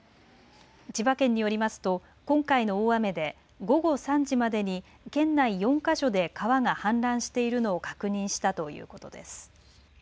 千葉県によりますと今回の大雨で午後３時までに県内４か所で川が氾濫しているのを確認したということです。